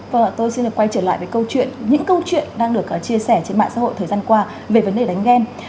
vâng ạ tôi xin được quay trở lại với câu chuyện những câu chuyện đang được chia sẻ trên mạng xã hội thời gian qua về vấn đề đánh ghen